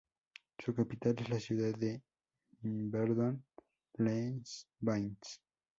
Su capital es la ciudad de Yverdon-les-Bains.